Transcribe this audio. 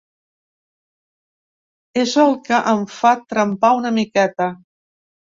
És el que em fa trempar una miqueta.